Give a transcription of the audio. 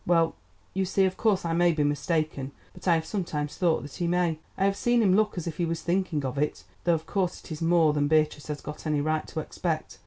Well, you see—of course I may be mistaken, but I have sometimes thought that he may. I have seen him look as if he was thinking of it, though of course it is more than Beatrice has got any right to expect.